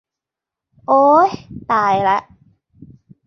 โอ้ย ตายละ